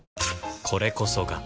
これこそが